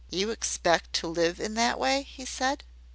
"You expect to live in that way?" he said.